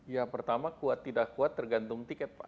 ya pertama kuat tidak kuat tergantung tiket pak